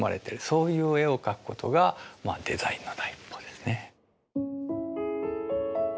そういう絵を描くことがまあデザインの第一歩ですね。